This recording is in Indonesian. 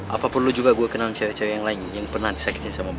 apa perlu juga gue kenal cewek cewek yang lain yang pernah sakit sama bapak